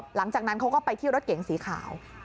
หลังจากนั้นเขาก็ไปที่รถเก๋งสีขาว